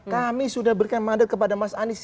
kami sudah berikan mandat kepada mas anies